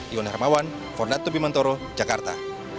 ion hermawan fondato bimentoro jakarta